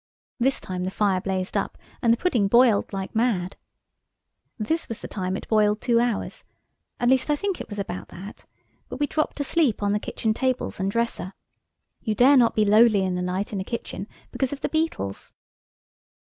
This time the fire blazed up, and the pudding boiled like mad. This was the time it boiled two hours–at least I think it was about that, but we dropped asleep on the kitchen tables and dresser. You dare not be lowly in the night in the kitchen, because of the beetles.